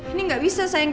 ini udah keterlaluan